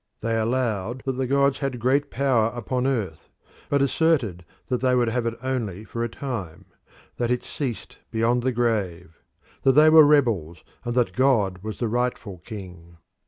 They allowed that the gods had great power upon earth, but asserted that they would have it only for a time; that it ceased beyond the grave; that they were rebels, and that God was the rightful king.